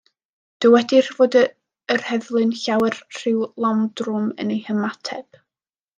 Dywedir fod yr heddlu'n llawer rhy lawdrwm yn eu hymateb.